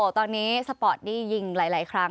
ตอนนี้สปอร์ตดี้ยิงหลายครั้ง